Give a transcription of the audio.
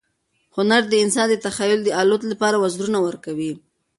هنر د انسان د تخیل د الوت لپاره وزرونه ورکوي.